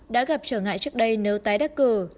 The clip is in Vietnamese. đã gặp trở ngại trước đây nếu tái đắc cử